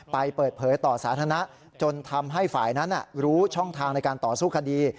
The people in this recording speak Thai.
เปิดเผยต่อสาธารณะจนทำให้ฝ่ายนั้นรู้ช่องทางในการต่อสู้คดี